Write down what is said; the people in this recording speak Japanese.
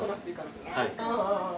はい。